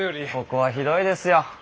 ここはひどいですよ。